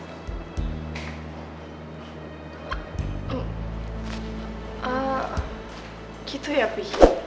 eh gitu ya pi